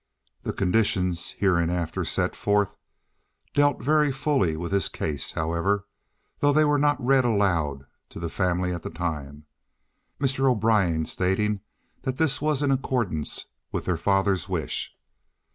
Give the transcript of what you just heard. The conditions "hereinafter set forth" dealt very fully with his case, however, though they were not read aloud to the family at the time, Mr. O'Brien stating that this was in accordance with their father's wish.